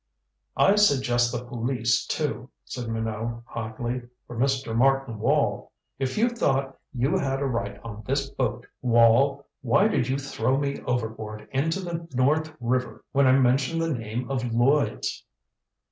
"I suggest the police, too," said Minot hotly, "for Mr. Martin Wall. If you thought you had a right on this boat, Wall, why did you throw me overboard into the North River when I mentioned the name of Lloyds?"